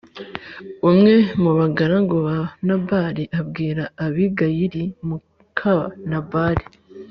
Umwe mu bagaragu ba Nabali abwira Abigayili muka Nabali